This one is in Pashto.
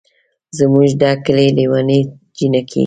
زمونږ ده کلي لېوني جينکۍ